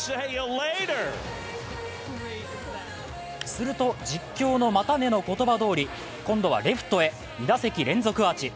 すると実況の「またね」の言葉どおり今度はレフトへ２打席連続アーチ。